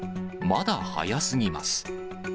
まだ早すぎます。